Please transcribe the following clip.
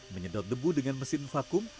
menyedot debu dengan mesin vakum